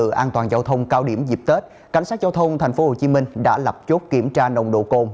tự an toàn giao thông cao điểm dịp tết cảnh sát giao thông tp hcm đã lập chốt kiểm tra nồng độ cồn